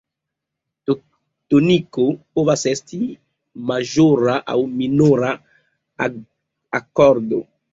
Toniko povas esti maĵora aŭ minora akordo.